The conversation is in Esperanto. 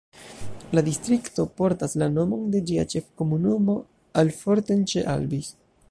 La distrikto portas la nomon de ĝia ĉef-komunumo Affoltern ĉe Albis.